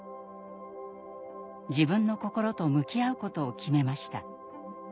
自分の心と向き合うことを決めました。